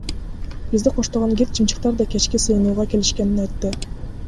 Бизди коштогон гид чымчыктар да кечки сыйынууга келишкенин айтты.